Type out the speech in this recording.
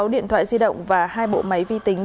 sáu điện thoại di động và hai bộ máy vi tính